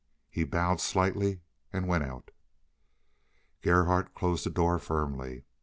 He bowed slightly and went out. Gerhardt closed the door firmly.